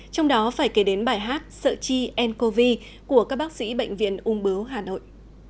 trong đó phải kể đến bài hát sợ chi n covid của các bác sĩ bệnh viện ung bướu hà nội